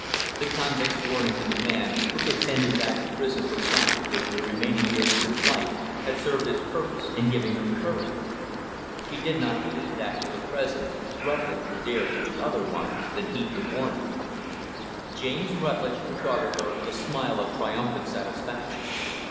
The convict's warning to the man who could send him back to prison for practically the remaining years of his life, had served its purpose in giving her courage. She did not believe that, for the present, Rutlidge would dare to do otherwise than heed the warning. [Illustration: Still she did not speak.] James Rutlidge regarded her with a smile of triumphant satisfaction.